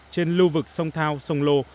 trên lưu vực sông thao sông lô